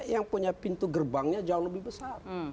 yang punya pintu gerbangnya jauh lebih besar